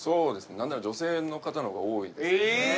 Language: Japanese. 何なら女性の方の方が多いですね・